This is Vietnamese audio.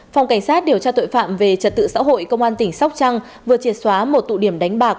phòng cảnh sát điều tra tội phạm về trật tự xã hội công an tỉnh sóc trăng vừa triệt xóa một tụ điểm đánh bạc